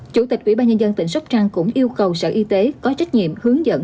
chủ tịch ủy ban nhân dân tỉnh sóc trăng cũng yêu cầu sở y tế có trách nhiệm hướng dẫn